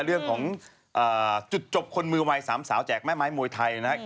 เรื่องของจุดจบคนมือวัย๓สาวแจกแม่ไม้มวยไทยนะครับ